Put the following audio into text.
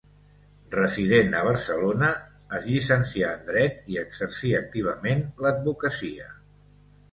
Resident a Barcelona, es llicencià en dret i exercí activament l'advocacia.